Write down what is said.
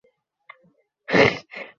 দুজনেই সঙ্গীতের সঙ্গে সম্পৃক্ত।